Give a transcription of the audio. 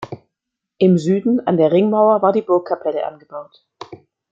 Im Süden an der Ringmauer war die Burgkapelle angebaut.